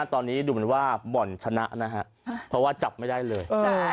ตอนนี้ดูเหมือนว่าบ่อนชนะนะฮะเพราะว่าจับไม่ได้เลย